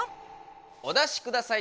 お出しください。